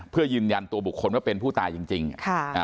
เพื่อยืนยันตัวบุคคลว่าเป็นผู้ตายจริงจริงค่ะอ่า